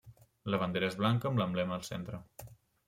La bandera és blanca amb l'emblema al centre.